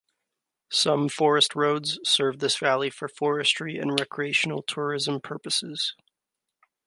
Some forest roads serve this valley for forestry and recreational tourism purposes.